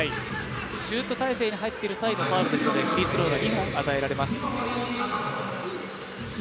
シュート体勢に入っている際のファウルですのでフリースローが２本与えられます。